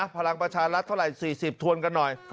พลังประชารัฐเท่าไหร่๔๐ทวนกันหน่อย